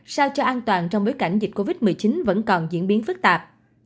sao cho an toàn trong bối cảnh dịch covid một mươi chín vẫn còn diễn biến phức tạp